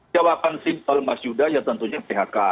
jawaban simpel mas yuda ya tentunya phk